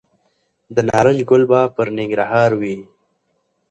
د نارنج ګل به پرننګرهار وي